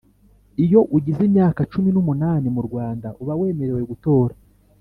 Iyo ugize imyaka cumi numunani murwanda ubawemerewe gutora